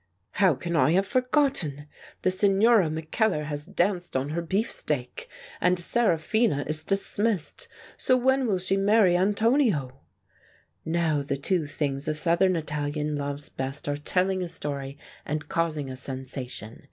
"How can I have forgotten? The Signora Mackellar has danced on her beefsteak, and Sera 75 The Dance on the Beefsteak phina is dismissed. So when will she marry Antonio? " Now the two things a Southern Italian loves best are telling a story and causing a sensation.